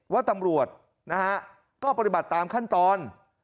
ว่าตำรวจนะฮะก็ปฏิบัติตามขั้นตอน